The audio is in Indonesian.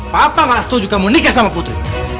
papa gak setuju kamu nikah sama putri